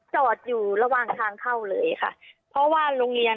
จอดอยู่ระหว่างทางเข้าเลยค่ะ